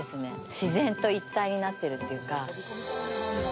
自然と一体になってるというか。